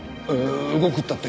動くったって。